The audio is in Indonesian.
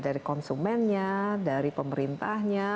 dari konsumennya dari pemerintahnya